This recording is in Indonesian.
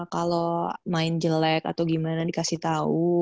kalau main jelek atau gimana dikasih tahu